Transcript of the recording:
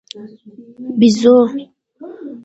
🐒بېزو